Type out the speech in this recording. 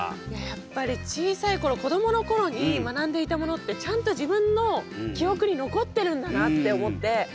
やっぱり小さい頃子どもの頃に学んでいたものってちゃんと自分の記憶に残ってるんだなって思って。